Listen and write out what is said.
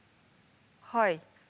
はい。